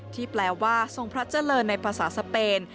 แปลว่าทรงพระเจริญในภาษาสเปน